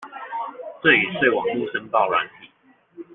贈與稅網路申報軟體